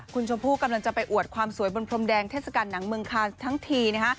คุณชมพู่กำลังจะไปอวดความสวยบนพรมแดงเทศกาลหนังเมืองคานทั้งทีนะฮะ